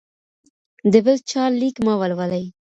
د بل چا لیک مه ولولئ.